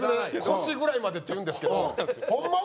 「腰ぐらいまで」って言うんですけどホンマ